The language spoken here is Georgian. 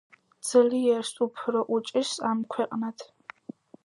ძლიერს უფრო უჭირს ამქვეყნად.